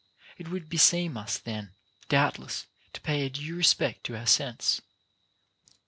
It would beseem us then, doubtless, to pay a due respect to our sense.